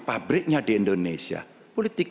pabriknya di indonesia politik